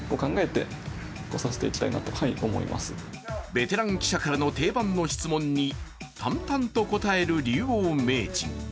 ベテラン記者からの定番の質問に淡々と答える竜王名人。